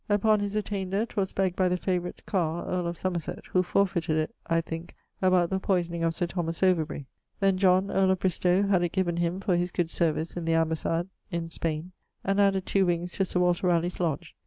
Upon his attainder, 'twas begged by the favorite Carr, earl of Somerset, who forfeited it (I thinke) about the poysoning of Sir Thomas Overbury. Then John, earl of Bristowe, had it given him for his good service in the ambassade in Spaine, and added two wings to Sir Walter Ralegh's lodge.